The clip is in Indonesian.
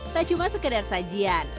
tak cuma sekedar sajian